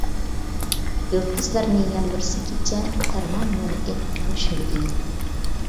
يۇلتۇزلارنى ياندۇرسا كېچە، پەرۋانىلەر ئېقىتار شۆلگەي.